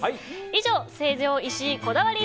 以上、成城石井こだわり